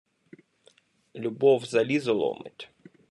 Любов залізо ломить.